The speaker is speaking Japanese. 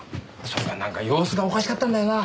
それがなんか様子がおかしかったんだよな。